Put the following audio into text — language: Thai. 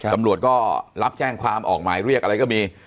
ตำรวจก็รับแจ้งความออกหมายเรียกอะไรก็มี